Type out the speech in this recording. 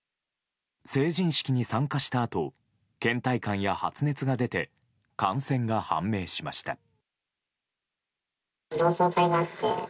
成人式に参加したあと倦怠感や発熱が出て感染が判明しました。